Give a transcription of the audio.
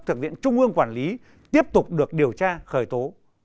thực hiện trung ương quản lý tiếp tục được điều tra khởi tố